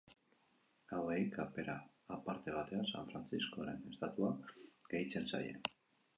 Hauei kapera aparte batean San Frantziskoren estatua gehitzen zaie.